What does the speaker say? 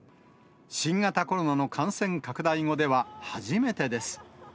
新型コロナの感染拡大後では初めてです。